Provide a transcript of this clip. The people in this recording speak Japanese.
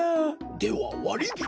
ではわりびきを。